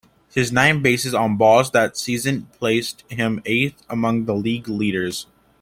His nine bases on balls that season placed him eighth among the league leaders.